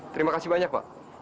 terima kasih banyak pak